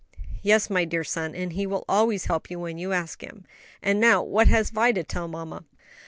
"Yes, my dear son, and He will always help you when you ask Him. And now, what has Vi to tell mamma?"